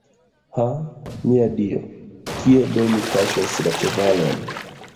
Ha, mia Dio, kie do mi kaŝos la ĉevalon.